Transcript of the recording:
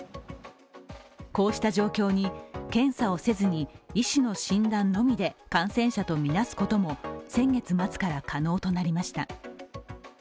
こうした状況に検査をせずに医師の診断のみで感染者とみなすことも先月末から可能となりました。